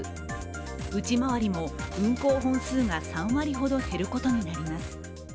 内回りも運行本数が３割ほど減ることになります。